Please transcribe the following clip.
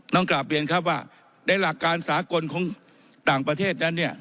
กลับเรียนครับว่าในหลักการสากลของต่างประเทศนั้นเนี่ย